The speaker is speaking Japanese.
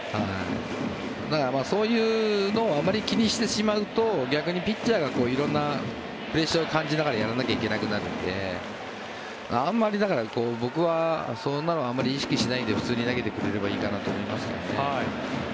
だから、そういうのをあまり気にしてしまうと逆にピッチャーが色んなプレッシャーを感じながらやらなきゃいけなくなるのであんまり僕はそんなのはあまり意識しないで普通に投げてくれればいいかなと思いますね。